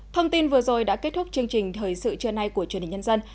thông tin vừa rồi đã kết thúc chương trình thời sự trưa nay của truyền hình nhân dân